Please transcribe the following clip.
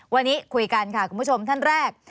วันนี้คุยกันค่ะคุณผู้ชมท่านแรก